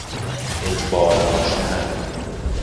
اجبار داشتن